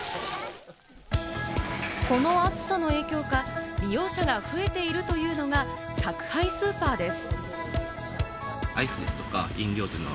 この暑さの影響か、利用者が増えているというのが宅配スーパーです。